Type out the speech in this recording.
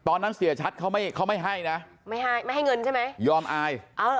ตอนนั้นเสียชัดเขาไม่ให้นะไม่ให้เงินใช่ไหมยอมอาย